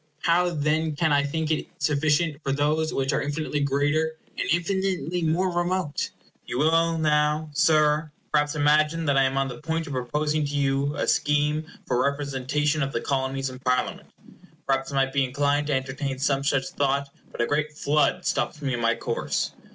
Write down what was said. How then can I think it sufficient for those which are infinitely greater, and infinitely more remote? You will now, Sir, perhaps imagine that I am on the point of proposing to you a scheme for a representation of the Colonies in Parliament. Perhaps I might be inclined to entertain some such thought; but a great flood stops me in my course.